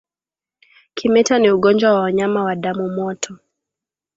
Kimeta ni ugonjwa wa wanyama wa damu moto